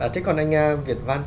thế còn anh việt văn